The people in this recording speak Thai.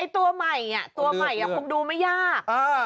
ตัวใหม่คงดูไม่ยาก